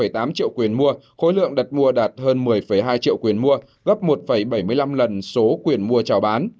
tám triệu quyền mua khối lượng đặt mua đạt hơn một mươi hai triệu quyền mua gấp một bảy mươi năm lần số quyền mua trào bán